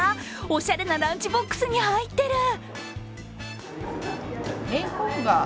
おしゃれなランチボックスに入ってる。